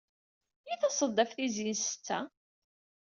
I tased-d ɣef tizi n ssetta?